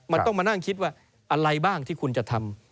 มันต้องมานั่งคิดว่าอะไรบ้างที่คุณจะทำ